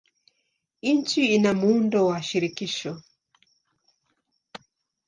Nchi ina muundo wa shirikisho.